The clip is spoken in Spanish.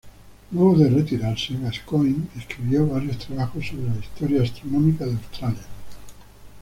Luego de retirarse, Gascoigne escribió varios trabajos sobre la historia astronómica de Australia.